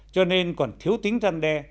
cho nên còn thiếu tính răn đe